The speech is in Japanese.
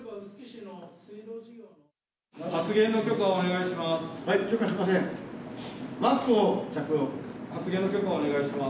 発言の許可をお願いします。